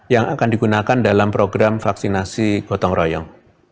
yang akan digunakan dalam program vaksinasi gotong royong